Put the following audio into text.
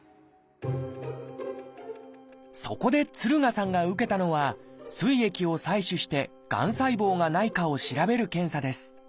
そこで敦賀さんが受けたのは膵液を採取してがん細胞がないかを調べる検査です。